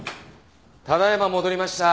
ただ今戻りました。